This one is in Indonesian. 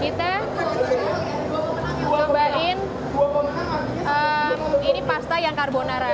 kita cobain ini pasta yang karbonara